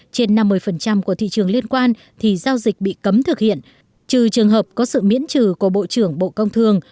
trên năm mươi của thị trường liên quan thì giao dịch bị cấm thực hiện trừ trường hợp có sự miễn trừ của bộ trưởng bộ công thương